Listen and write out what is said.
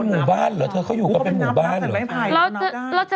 ก็รู้ได้ไงว่าตัวไหนเป็นหัวหน้า